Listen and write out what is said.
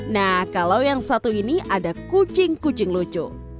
nah kalau yang satu ini ada kucing kucing lucu